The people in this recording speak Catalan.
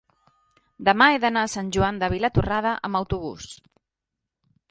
demà he d'anar a Sant Joan de Vilatorrada amb autobús.